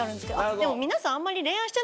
でも皆さん。